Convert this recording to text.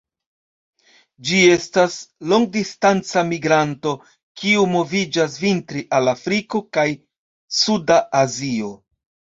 Ĝi estas longdistanca migranto kiu moviĝas vintre al Afriko kaj suda Azio.